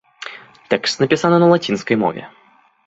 Тэкст напісаны на лацінскай мове.